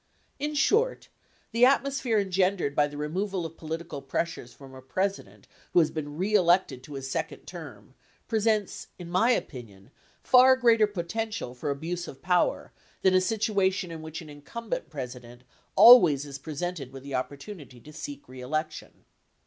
In short, the atmosphere engendered by the removal of political pressures from a President who has been reelected to his second term presents, in my opinion, far greater potential for abuse of power than a situation in which an incumbent President always is presented with the opportunity to seek reelection.